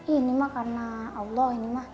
ini mah karena allah